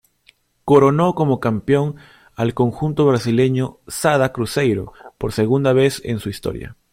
Coronó como campeón al conjunto brasileño Sada Cruzeiro por segunda vez en su historia.